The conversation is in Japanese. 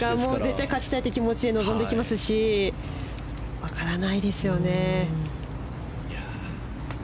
絶対勝ちたいって気持ちで臨んできますし分からないですよね。